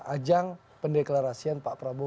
ajang pendeklarasian pak prabowo